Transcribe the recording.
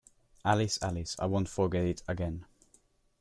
Alice—Alice—I won’t forget it again.